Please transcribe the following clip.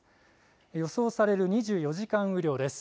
予想される２４時間雨量です。